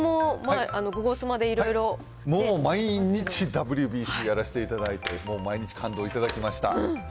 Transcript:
ちなみに、もう毎日ＷＢＣやらせていただいて、もう毎日、感動いただきました。